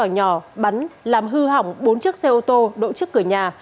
viên sỏi nhỏ bắn làm hư hỏng bốn chiếc xe ô tô đỗ trước cửa nhà